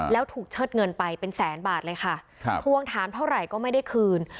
แล้วถูกเชิดเงินไปเป็นแสนบาทเลยค่ะทวงถามเท่าไหร่ก็ไม่ได้คืน